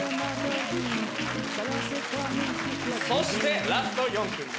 そしてラスト４組目。